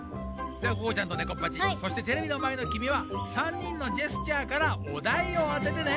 ではここちゃんとネコッパチそしてテレビのまえのきみは３人のジェスチャーからお題をあててね。